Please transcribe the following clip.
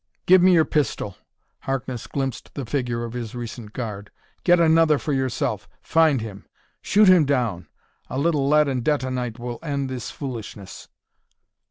"Give me your pistol!" Harkness glimpsed the figure of his recent guard. "Get another for yourself find him! shoot him down! A little lead and detonite will end this foolishness!"